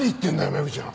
メグちゃん！